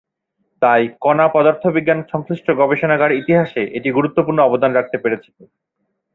তাই কণা পদার্থবিজ্ঞান সংশ্লিষ্ট গবেষণার ইতিহাসে এটি গুরুত্বপূর্ণ অবদান রাখতে পেরেছিল।